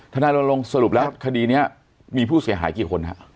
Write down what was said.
นายลงสรุปแล้วคดีนี้มีผู้เสียหายกี่คนฮะ